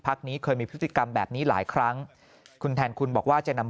นี้เคยมีพฤติกรรมแบบนี้หลายครั้งคุณแทนคุณบอกว่าจะนำ